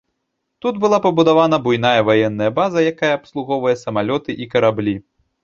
Тут была пабудавана буйная ваенная база, якая абслугоўвае самалёты і караблі.